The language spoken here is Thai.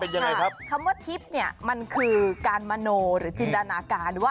มันเป็นอย่างไรครับคำว่าทิปเนี่ยมันคือการโมโนหรือจินดานาการ